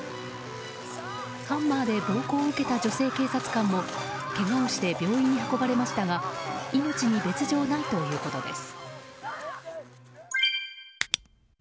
ハンマーで暴行を受けた女性警察官もけがをして病院に運ばれましたが命に別条ないということです。